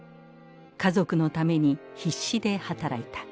家族のために必死で働いた。